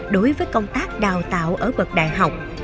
đối với công tác đào tạo ở bậc đại học